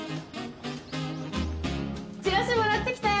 チラシもらってきたよ！